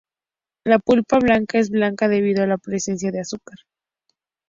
La pulpa blanca es blanca debido a la presencia de azúcar.